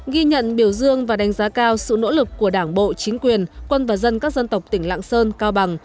ghi nhận biểu dương và đánh giá cao sự nỗ lực của đảng bộ chính quyền quân và dân các dân tộc tỉnh lạng sơn cao bằng